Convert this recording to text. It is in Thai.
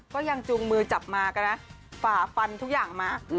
จูงมือจับมากันนะฝ่าฟันทุกอย่างมา